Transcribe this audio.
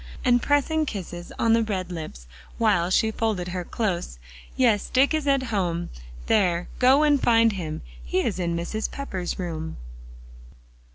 And pressing kisses on the red lips, while she folded her close "Yes, Dick is at home. There, go and find him; he is in Mrs. Pepper's room."